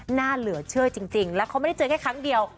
หน้าเหลือเชื่อจริงแล้วเขาไม่ได้เจอแค่ครั้งเดียว